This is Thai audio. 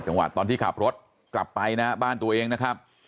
ตอนที่ขับรถกลับไปนะฮะบ้านตัวเองนะครับ